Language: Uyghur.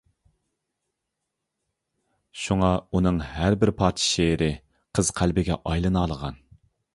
شۇڭا ئۇنىڭ ھەربىر پارچە شېئىرى قىز قەلبىگە ئايلىنالىغان.